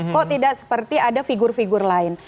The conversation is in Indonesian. kok tidak seperti ada figur figur lain